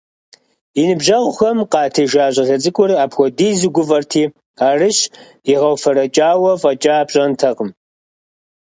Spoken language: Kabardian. И ныбжьэгъухэм къатежа щӀалэ цӀыкӀур апхуэдизу гуфӀэрти, арыщ игъэуфэрэкӀауэ фӀэкӀа пщӀэнтэкъым.